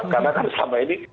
karena kan selama ini